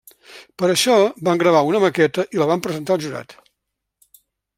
Per això van gravar una maqueta i la van presentar al jurat.